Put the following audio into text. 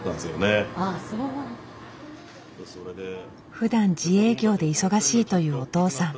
ふだん自営業で忙しいというお父さん。